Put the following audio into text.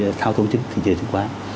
thì thao thống chứng thì chế chứng khoán